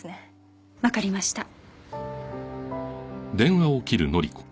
わかりました。